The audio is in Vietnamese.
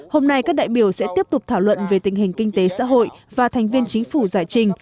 hôm nay các đại biểu sẽ tiếp tục thảo luận về tình hình kinh tế xã hội và thành viên chính phủ giải trình